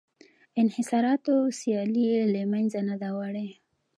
انحصاراتو سیالي له منځه نه ده وړې